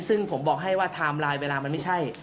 ซึ่งผมบอกให้ว่าไทม์ไลน์เวลามันไม่ใช่